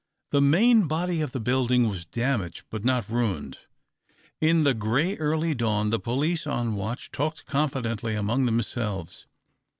The main body of the building was damaged l)ut not ruined. In the grey, early dawn the police on watch talked confidentially among themselves.